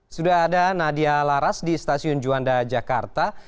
sudah ada nadia laras di stasiun juanda jakarta